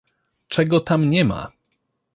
Czego tam nie ma!